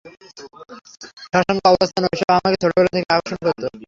শ্মশান, কবরস্থান এইসব আমাকে ছোটবেলা থেকেই আকর্ষণ করত।